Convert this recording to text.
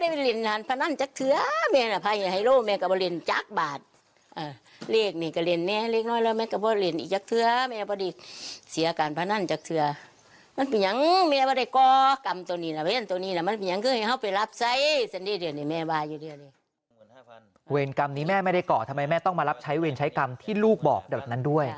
เวรกรรมนี้แม่ไม่ได้ก่อทำไมแม่ต้องมารับใช้เวรใช้กรรมที่ลูกบอกแบบนั้นด้วย